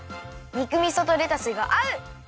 肉みそとレタスがあう！